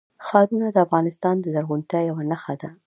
ښارونه د افغانستان د زرغونتیا یوه نښه ده.